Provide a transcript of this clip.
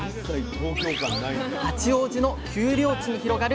八王子の丘陵地に広がる